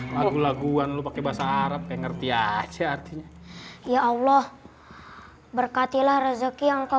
lagu laguan lu pakai bahasa arab yang ngerti aja artinya ya allah berkatilah rezeki yang kau